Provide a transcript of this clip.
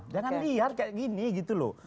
jangan liar kayak gini gitu loh